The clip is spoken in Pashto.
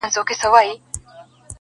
الله ته لاس پورته كړو.